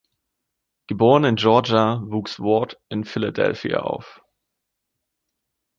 Geboren in Georgia, wuchs Ward in Philadelphia auf.